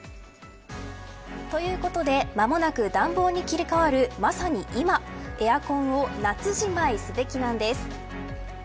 ということで間もなく暖房に切り替わるまさに今エアコンを夏じまいすべきなんです。